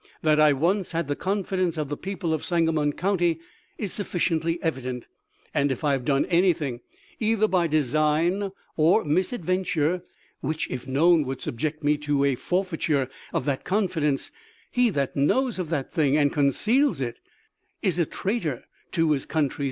That I once had the confidence of the people of Sangamon county is sufficiently evident ; and if I have done anything, either by design or misadven ture, which if known would subject me to a forfeit ure of that confidence, he that knows of that thing, and conceals it, is a traitor to his country's interest.